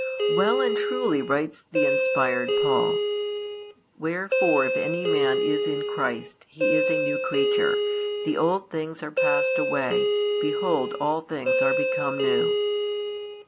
Well and truly writes the inspired Paul: Wherefore if any man is in Christ, he is a new creature: the old things are passed away; behold all things are become new.